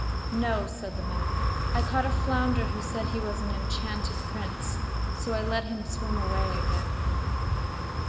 'No,' said the man. 'I caught a flounder who said he was an enchanted prince, so I let him swim away again.